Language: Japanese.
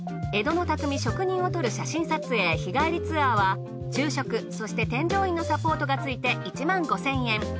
江戸の匠職人を撮る写真撮影日帰りツアーは昼食そして添乗員のサポートが付いて１５，０００円。